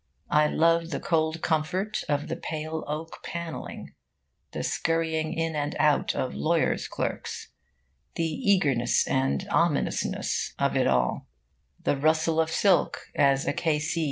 I love the cold comfort of the pale oak panelling, the scurrying in and out of lawyers' clerks, the eagerness and ominousness of it all, the rustle of silk as a K.C.